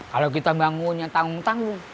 kalau kita bangunnya tanggung tanggung